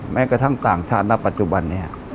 แม้กระทั่งต่างชาติณปัจจุบันนี้